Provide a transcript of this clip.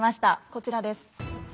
こちらです。